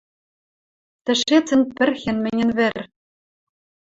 Тӹшецӹн пӹрхен мӹньӹн вӹр.